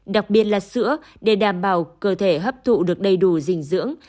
đặc biệt là sữa để đảm bảo cơ thể hấp thụ được đầy đủ dinh dưỡng